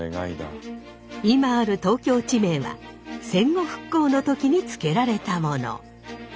今ある東京地名は戦後復興の時に付けられたもの。